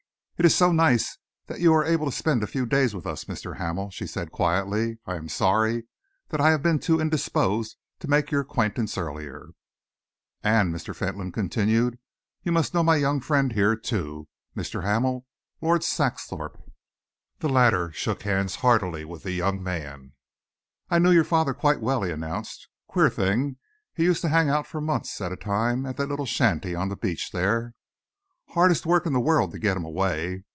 "It is so nice that you are able to spend a few days with us, Mr. Hamel," she said quietly. "I am sorry that I have been too indisposed to make your acquaintance earlier." "And," Mr. Fentolin continued, "you must know my young friend here, too. Mr. Hamel Lord Saxthorpe." The latter shook hands heartily with the young man. "I knew your father quite well," he announced. "Queer thing, he used to hang out for months at a time at that little shanty on the beach there. Hardest work in the world to get him away.